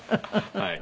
はい。